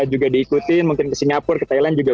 juga diikutin mungkin ke singapura ke thailand juga